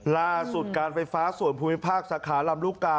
ล่าสุดการไฟฟ้าส่วนภูมิภาคสาขาลำลูกกา